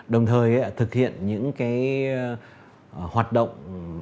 đồng thời thực hiện những hoạt động